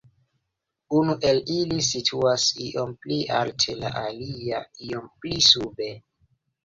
Unu el ili situas iom pli alte, la alia iom pli sube.